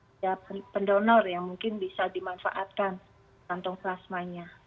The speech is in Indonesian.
ada pendonor yang mungkin bisa dimanfaatkan kantong plasmanya